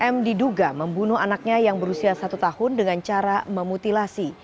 m diduga membunuh anaknya yang berusia satu tahun dengan cara memutilasi